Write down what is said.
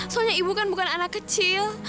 soalnya ibu kan bukan anak kecil